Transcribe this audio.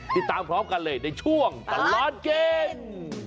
ติดตามพร้อมกันเลยในช่วงตลอดกิน